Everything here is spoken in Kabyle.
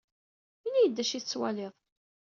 Ini-iyi-d d acu i tettwaliḍ.